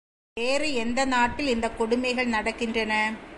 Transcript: வேறு எந்த நாட்டில் இந்தக் கொடுமைகள் நடக்கின்றன?